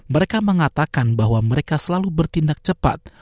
mereka mengatakan bahwa mereka selalu bertindak cepat